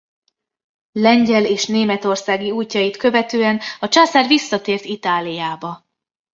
Lengyel- és németországi útjait követően a császár visszatért Itáliába.